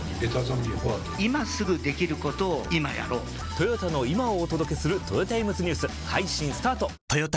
トヨタの今をお届けするトヨタイムズニュース配信スタート！！！